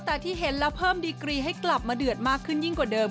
แต่ที่เห็นแล้วเพิ่มดีกรีให้กลับมาเดือดมากขึ้นยิ่งกว่าเดิม